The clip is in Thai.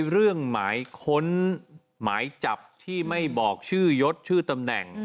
หมายค้นหมายจับที่ไม่บอกชื่อยศชื่อตำแหน่ง